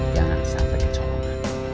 jangan sampai kecoh